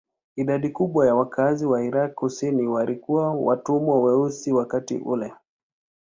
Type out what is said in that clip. Idadi kubwa ya wakazi wa Irak kusini walikuwa watumwa weusi wakati ule.